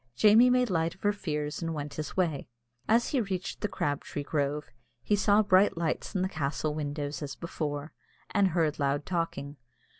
Jamie made light of her fears and went his way. As he reached the crabtree grove, he saw bright lights in the castle windows as before, and heard loud talking.